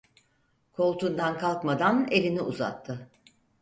Koltuğundan kalkmadan elini uzattı.